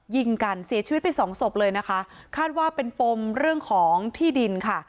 ยิงกันเสียชีวิตไปสองศพเลยนะคะคาดว่าเป็นปมเรื่องของที่ดินค่ะ